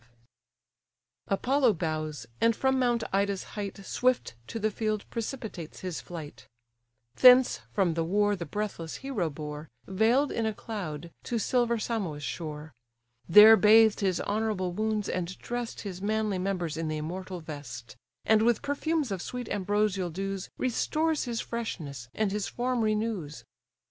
SLEEP AND DEATH CONVEYING THE BODY OF SARPEDON TO LYCIA Apollo bows, and from mount Ida's height, Swift to the field precipitates his flight; Thence from the war the breathless hero bore, Veil'd in a cloud, to silver Simois' shore; There bathed his honourable wounds, and dress'd His manly members in the immortal vest; And with perfumes of sweet ambrosial dews Restores his freshness, and his form renews.